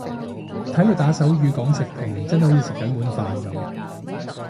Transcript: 睇佢打手語講食評真係好似食緊碗飯噉